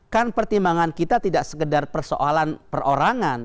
kan pertimbangan kita tidak sekedar persoalan perorangan